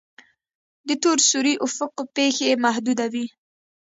د تور سوري افق پیښې محدوده وي.